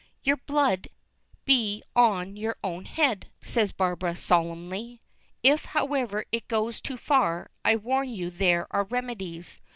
"Your blood be on your own head," says Barbara, solemnly. "If, however, it goes too far, I warn you there are remedies.